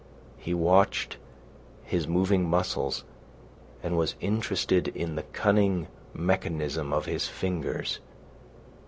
He watched his moving muscles and was interested in the cunning mechanism of his fingers.